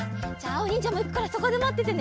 おにんじゃもいくからそこでまっててね！